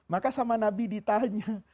maka sama nabi ditanya